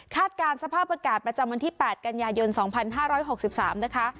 การสภาพอากาศประจำวันที่๘กันยายน๒๕๖๓นะคะ